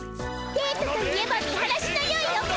デートといえば見晴らしのよいおか！